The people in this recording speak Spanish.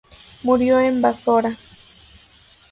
Murió en Basora.